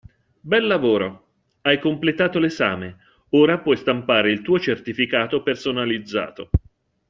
Bel lavoro! Hai completato l‘esame, ora puoi stampare il tuo certificato personalizzato.